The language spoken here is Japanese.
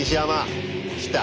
来た。